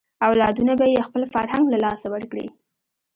اولادونه به یې خپل فرهنګ له لاسه ورکړي.